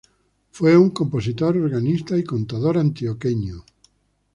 Fue un compositor, organista y contador antioqueño.